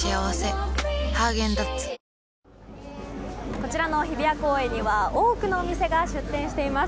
こちらの日比谷公園には多くのお店が出店しています。